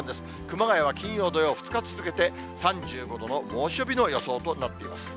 熊谷は金曜、土曜、２日続けて３５度の猛暑日の予想となっています。